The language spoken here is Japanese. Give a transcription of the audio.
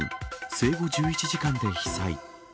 生後１１時間で被災。